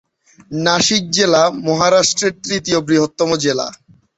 নাশিক জেলা মহারাষ্ট্রের তৃতীয় বৃহত্তম জেলা।